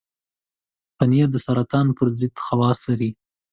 پنېر د سرطان پر ضد خواص لري.